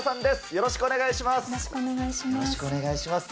よろしくお願いします。